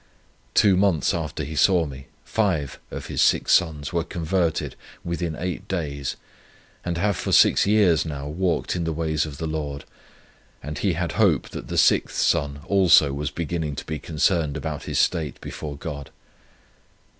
Two months after he saw me, five of his six sons were converted within eight days, and have for six years now walked in the ways of the Lord, and he had hope that the sixth son also was beginning to be concerned about his state before God.